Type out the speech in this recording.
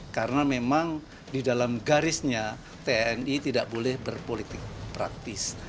karena memang di dalam garisnya tni tidak boleh berpolitik praktis